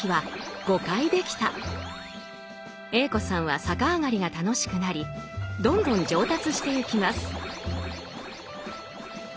Ａ子さんは逆上がりが楽しくなりどんどん上達してゆきます。